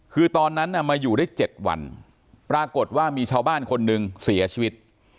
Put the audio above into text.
คือตอนนั้นมาอยู่ได้๗วันปรากฏว่ามีชาวบ้านคนหนึ่งเสียชีวิต